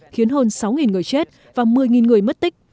khiến hơn sáu người chết và một mươi người mất tích